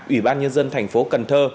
ủy ban nhân dân tp cần thơ